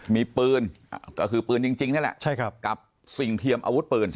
มีปืนก็คือปืนจริงนี่แหละกับสิ่งเทียมอาวุธปืน